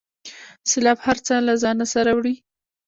سیلاب هر څه له ځانه سره وړي.